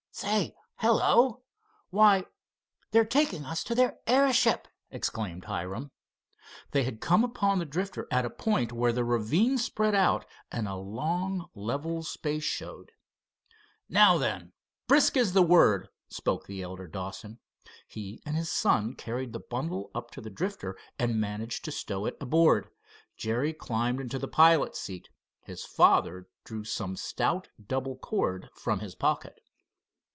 Say hello! Why, they're taking us to their airship!" exclaimed Hiram. They had come upon the Drifter at a point where the ravine spread out and a long level space showed. "Now then, brisk is the word," spoke the elder Dawson. He and his son carried the bundle up to the Drifter and managed to stow it aboard. Jerry climbed into the pilot's seat. His father drew some stout double cord from his pocket.